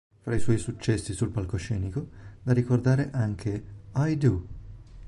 Fra i suoi successi sul palcoscenico, da ricordare anche "I do!